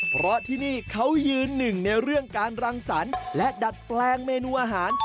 เพราะที่นี่เขายืนหนึ่งในเรื่องการรังสรรค์และดัดแปลงเมนูอาหาร